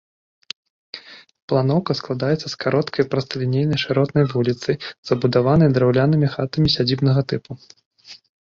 Планоўка складаецца з кароткай прасталінейнай шыротнай вуліцы, забудаванай драўлянымі хатамі сядзібнага тыпу.